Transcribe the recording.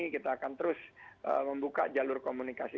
kita akan terus membuka jalur komunikasi